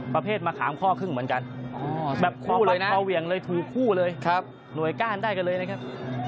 ประเภทมะขามข้อครึ่งเหมือนกันแบบพอเวียงเลยถูกคู่เลยหน่วยก้านได้กันเลยนะครับ